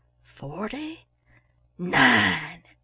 "FORTY NINE!"